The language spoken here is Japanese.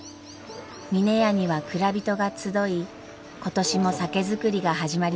峰屋には蔵人が集い今年も酒造りが始まります。